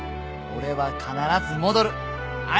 「俺は必ず戻る。